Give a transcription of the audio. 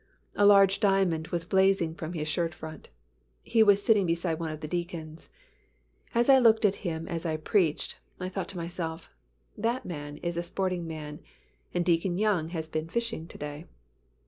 A large diamond was blazing from his shirt front. He was sitting beside one of the deacons. As I looked at him as I preached, I thought to myself, "That man is a sporting man, and Deacon Young has been fishing to day."